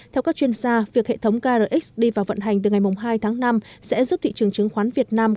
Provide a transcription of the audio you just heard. theo các chuyên gia việc hệ thống krx đi vào vận hành từ ngày hai tháng năm sẽ giúp thị trường chứng khoán việt nam